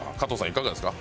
いかがですか？